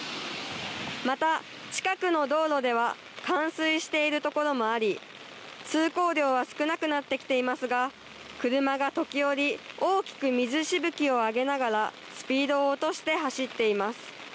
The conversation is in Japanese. また、近くの道路では冠水しているところもあり通行量は少なくなってきていますが車が時折、大きく水しぶきを上げながらスピードを落として走っています。